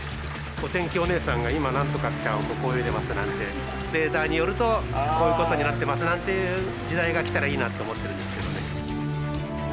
お天気おねえさんが「今何とかちゃんはここを泳いでます」なんて「データによるとこういうことになってます」なんていう時代が来たらいいなと思ってるんですけどね。